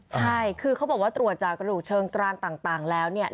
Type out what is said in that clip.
ใช่คือเขาบอกว่าตรวจจากกระดูกเชิงกรานต่างแล้วเนี่ย